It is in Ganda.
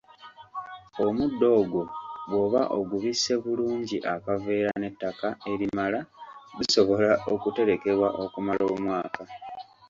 Omuddo ogwo bw’oba ng’ogubisse bulungi akaveera n’ettaka erimala gusobola okuterekebwa okumala omwaka.